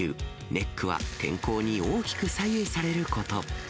ネックは天候に大きく左右されること。